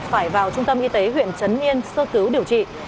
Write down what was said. phải vào trung tâm y tế huyện trấn yên sơ cứu điều trị